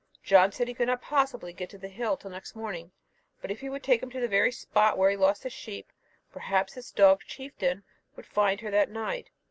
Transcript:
John said he could not possibly get to the hill next morning, but if he would take him to the very spot where he lost the sheep, perhaps his dog Chieftain would find her that night.